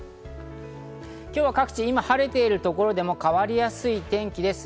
今日は各地、今晴れているところでも変わりやすい天気です。